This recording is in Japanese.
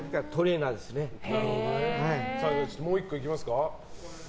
もう１個いきますか。